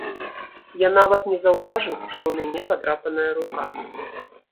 Я нават не заўважыў што ў мяне падрапаная рука.